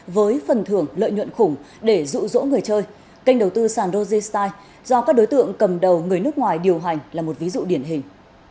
với phần thưởng lợi nhuận khủng để dụ dỗ người chơi kênh đầu tư sàn rojee style do các đối tượng cầm đầu người nước ngoài điều hành là một ví dụ điển hình